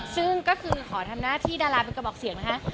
ซึ่งก็คือขอทำหน้าที่ดาราเป็นกระบอกเสียงนะคะ